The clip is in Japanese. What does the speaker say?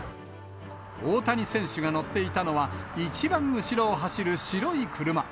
大谷選手が乗っていたのは、一番後ろを走る白い車。